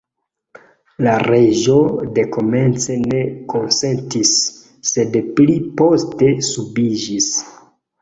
La reĝo dekomence ne konsentis, sed pli poste subiĝis.